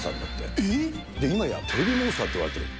いまやテレビモンスターっていわれている。